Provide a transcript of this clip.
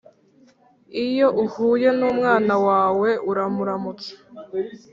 Iyo uhuye n’umwana wawe uramuramutsa